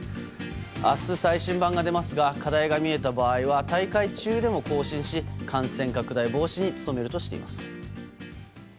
明日、最新版が出ますが課題が見えた場合は大会中でも更新し感染拡大防止に努めるとしています。